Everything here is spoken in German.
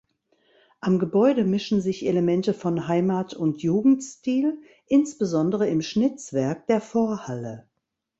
Am Gebäude mischen sich Elemente von Heimat- und Jugendstil, insbesondere im Schnitzwerk der Vorhalle.